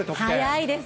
早いです。